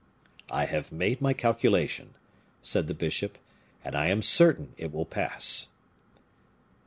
"I have made my calculation," said the bishop, "and I am certain it will pass."